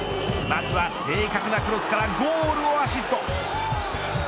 まずは正確なクロスからゴールをアシスト。